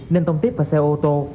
nên tông tiếp vào xe ô tô